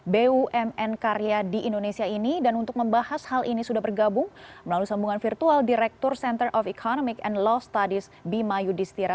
bumn karya di indonesia ini dan untuk membahas hal ini sudah bergabung melalui sambungan virtual direktur center of economic and law studies bima yudhistira